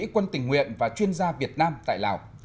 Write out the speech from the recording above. quân tình nguyện và chuyên gia việt nam tại lào